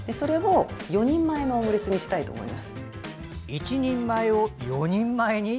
１人前を４人前に？